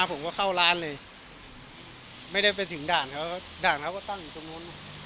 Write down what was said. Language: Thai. มาผมก็เข้าร้านเลยไม่ได้ไปถึงด่านเขาก็ตั้งอยู่ตรงโน้น